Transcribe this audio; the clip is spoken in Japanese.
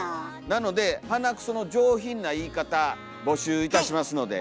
なので「鼻くそ」の上品な言い方募集いたしますので。